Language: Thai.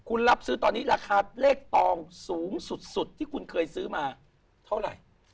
คุณรับซื้อตอนนี้ราคาเลขตองสูงสุดที่คุณเคยซื้อมาเท่าไหร่